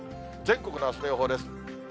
全国のあすの予報です。